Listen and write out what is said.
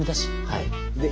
はい？